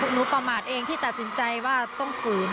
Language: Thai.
หนูประมาทเองที่ตัดสินใจว่าต้องฝืน